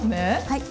はい。